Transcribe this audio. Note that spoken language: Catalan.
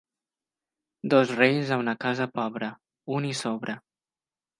Dos reis a una casa pobra, un hi sobra.